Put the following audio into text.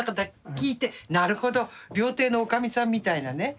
聞いてなるほど料亭の女将さんみたいなね